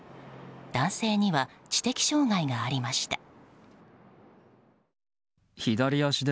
男性には知的障害がありました。